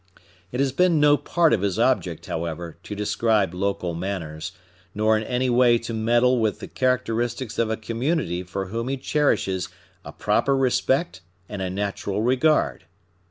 It has been no part of his object, however, to describe local manners, nor in any way to meddle with the characteristics of a community for whom he cherishes a proper respect and a natural regard.